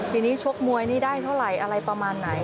ทีนี้ชกมวยนี่ได้เท่าไหร่อะไรประมาณไหน